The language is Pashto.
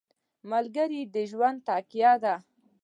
ملګری د ژوند تکیه ده.